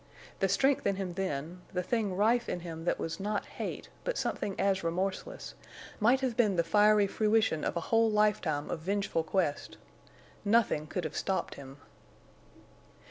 The strength in him then—the thing rife in him that was not hate, but something as remorseless—might have been the fiery fruition of a whole lifetime of vengeful quest. Nothing could have stopped him.